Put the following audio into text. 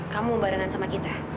kamu barengan sama kita